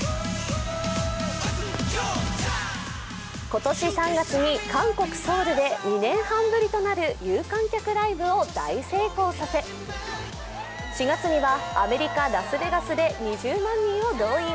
今年３月に韓国・ソウルで２年半ぶりとなる有観客ライブを大成功させ４月には、アメリカ・ラスベガスで２０万人を動員。